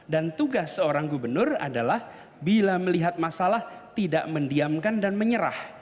dan tugas seorang gubernur adalah bila melihat masalah tidak mendiamkan dan menyerah